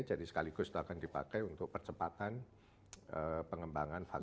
jadi sekaligus itu akan dipakai untuk percepatan pengembangan vaksin